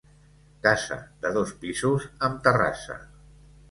Casa de dos pisos amb terrassa.